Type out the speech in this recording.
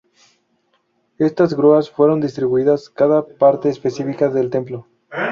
Estas grúas fueron distribuidas cada parte específica del templo.